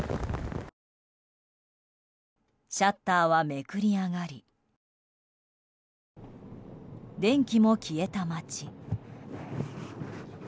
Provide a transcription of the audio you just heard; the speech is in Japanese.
シャッターはめくり上がり電気も消えた町。